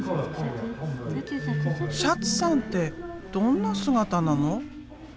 「シャツさんってどんな姿なの？」。